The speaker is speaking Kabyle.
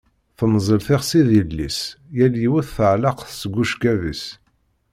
Temmzel tixsi d yelli-s, yal yiwet tɛelleq seg ucekkab-is.